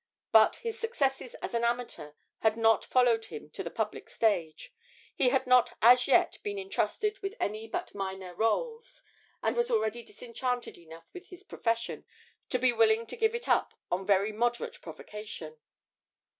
But his successes as an amateur had not followed him to the public stage; he had not as yet been entrusted with any but very minor rôles, and was already disenchanted enough with his profession to be willing to give it up on very moderate provocation.